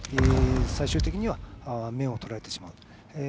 最終的には面を取られてしまうと。